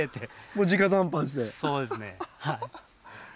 そうですねはい。